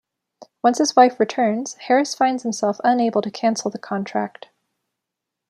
Once his wife returns, Harris finds himself unable to cancel the contract.